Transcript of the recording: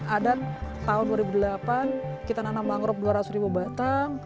ada tahun dua ribu delapan kita nanam mangrove dua ratus ribu batang